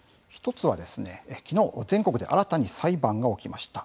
１つは、きのう全国で新たに裁判が起きました。